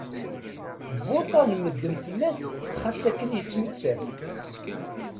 Vuṭṭan medden fell-as xas akken yettmettat.